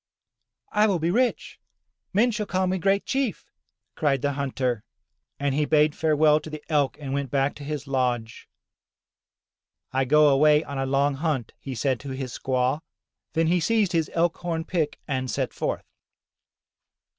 "I will be rich! Men shall call me Great Chief!" cried the 216 THROUGH FAIRY HALLS hunter, and he bade farewell to the Elk and went back to his lodge. I go away on a long hunt/' he said to his squaw. Then he seized his elk horn pick and set forth.